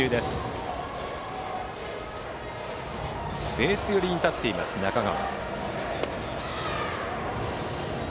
ベース寄りに立っている中川。